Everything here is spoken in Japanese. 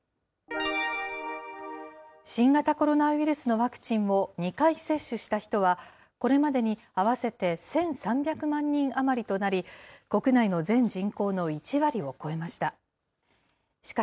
新型コロナウイルスのワクチンを２回接種した人は、これまでに合わせて１３００万人余りとなり、国内の全人口の１割を超えました。